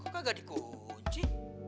kok kagak dikunci